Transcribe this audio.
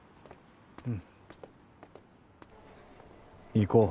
行こう。